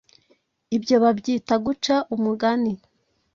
Ibyo babyita guca umugani